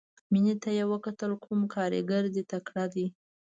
مينې ته يې وکتل کوم کارګر دې تکړه دى.